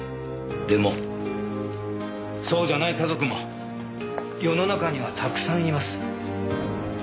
でもそうじゃない家族も世の中にはたくさんいます。